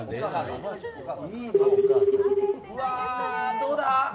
どうだ？